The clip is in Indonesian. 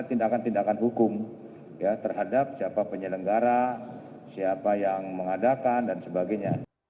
tindakan tindakan hukum terhadap siapa penyelenggara siapa yang mengadakan dan sebagainya